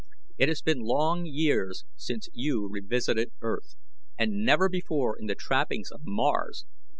"It has been long years since you revisited Earth, and never before in the trappings of Mars.